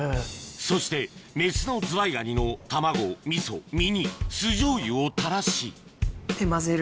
そしてメスのズワイガニの卵味噌身に酢じょうゆを垂らしまぜる。